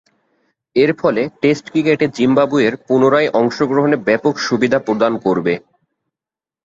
এরফলে টেস্ট ক্রিকেটে জিম্বাবুয়ের পুনরায় অংশগ্রহণে ব্যাপক সুবিধা প্রদান করবে।